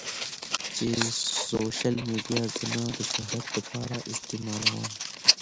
چې سوشل ميډيا زۀ نۀ د شهرت د پاره استعمالووم